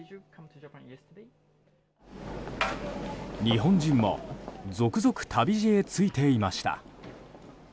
日本人も続々、旅路へ着いていました。